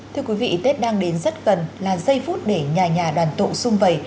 thưa quý vị tết đang đến rất gần là giây phút để nhà nhà đoàn tộ sung vầy